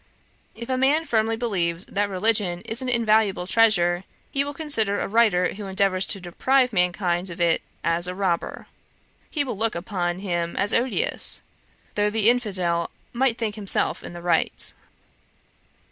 If a man firmly believes that religion is an invaluable treasure, he will consider a writer who endeavours to deprive mankind of it as a robber; he will look upon him as odious, though the infidel might think himself in the right.